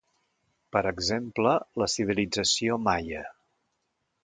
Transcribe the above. Per exemple, la civilització Maia.